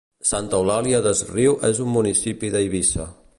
Santa Eulària des Riu és un municipi d'Eivissa.